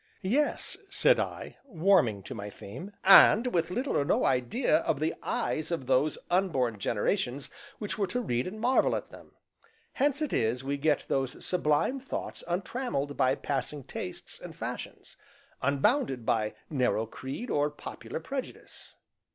"Yes," said I, warming to my theme, "and with little or no idea of the eyes of those unborn generations which were to read and marvel at them; hence it is we get those sublime thoughts untrammelled by passing tastes and fashions, unbounded by narrow creed or popular prejudice."